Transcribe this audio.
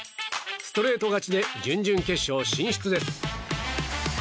ストレート勝ちで準々決勝進出です。